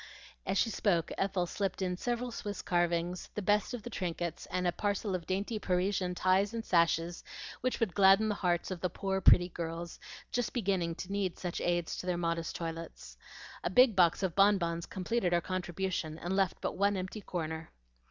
As she spoke Ethel slipped in several Swiss carvings, the best of the trinkets, and a parcel of dainty Parisian ties and sashes which would gladden the hearts of the poor, pretty girls, just beginning to need such aids to their modest toilets. A big box of bonbons completed her contribution, and left but one empty corner.